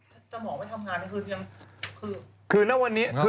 สมองไม่ทำงานนะ